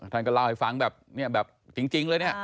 ท่านก็เล่าให้ฟังแบบนี้แบบจริงเลยเนี่ย